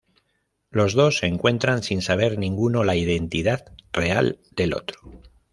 Los dos se encuentran sin saber ninguno la identidad real del otro.